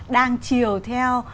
đang chiều theo